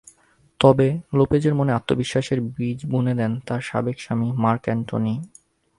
তবে লোপেজের মনে আত্মবিশ্বাসের বীজ বুনে দেন তাঁর সাবেক স্বামী মার্ক অ্যান্টনি।